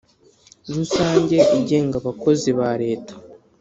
rusange igenga abakozi ba leta